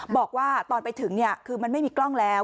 บอกว่าตอนไปถึงคือมันไม่มีกล้องแล้ว